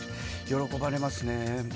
喜ばれますね。